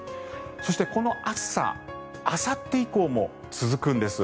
そして、この暑さあさって以降も続くんです。